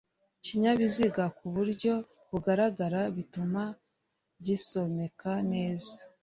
ikinyabiziga ku buryo bugaragara bituma gisomeka neza.